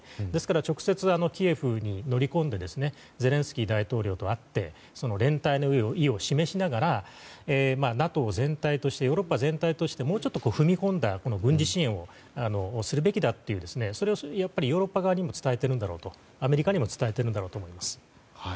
ですから直接キエフに乗り込んでゼレンスキー大統領と会って連帯の意を示しながらＮＡＴＯ全体としてヨーロッパ全体としてもっと踏み込んだ軍事支援をするべきだというそれをヨーロッパ側にも伝えているんだろうとアメリカにも伝えているんだろうと思います。